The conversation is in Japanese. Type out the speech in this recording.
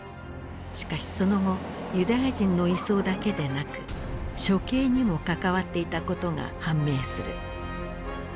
しかしその後ユダヤ人の移送だけでなく処刑にも関わっていたことが判明する。